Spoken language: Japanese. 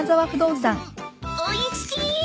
おいしい！